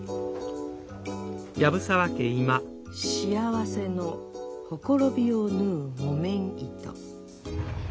「幸せの綻びを縫う木綿糸」。